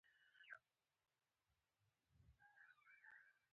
قاتل تل په تیښته وي